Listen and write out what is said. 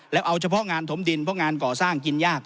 แล้วเอาเฉพาะงานถมดินเพราะงานก่อสร้างกินยาก